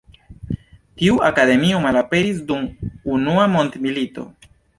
Tiu akademio malaperis dum Unua mondmilito.